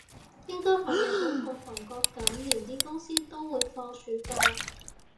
應該學日本同韓國噉，連啲公司都會放暑假